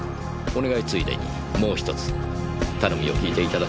お願いついでにもう１つ頼みを聞いていただけませんか？